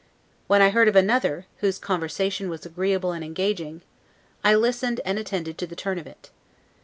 When I heard of another, whose conversation was agreeable and engaging, I listened and attended to the turn of it.